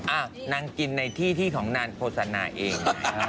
อ่ะนางกินในที่ของนางโฟสนาเอง